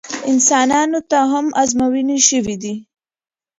انسانانو ته هم ازموینې شوي دي.